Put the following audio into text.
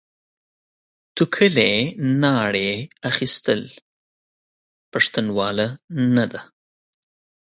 توکلې ناړې اخيستل؛ پښتنواله نه ده.